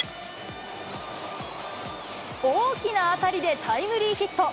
大きな当たりでタイムリーヒット。